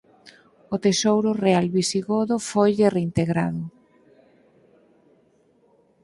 O tesouro real visigodo foille reintegrado.